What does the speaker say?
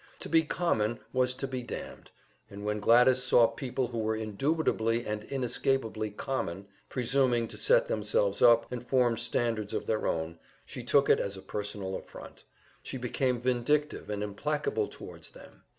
To be "common" was to be damned; and when Gladys saw people who were indubitably and inescapably "common," presuming to set themselves up and form standards of their own, she took it as a personal affront, she became vindictive and implacable towards them.